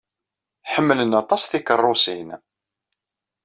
Ḥemmlen aṭas tikeṛṛusin.